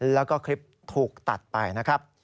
แล้วก็คลิปถูกตัดไปนะครับ